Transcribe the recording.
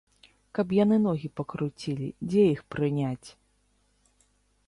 Каб яны ногі пакруцілі, дзе іх прыняць?